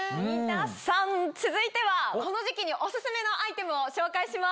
皆さん続いてはこの時期にオススメのアイテムを紹介します。